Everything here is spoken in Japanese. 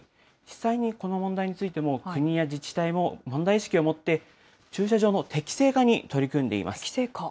実際にこの問題についても、国や自治体も問題意識を持って、駐車場の適正化に取り組んでいます。